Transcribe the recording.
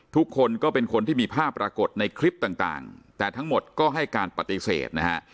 ทุกคนก็เป็นคนที่มีภาพปรากฏในคลิปต่างแต่ทั้งหมดก็ให้การปฏิเสธนะฮะ